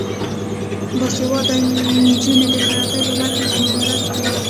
باسواده نجونې د خیاطۍ په برخه کې مهارت لري.